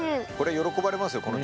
これ喜ばれますよ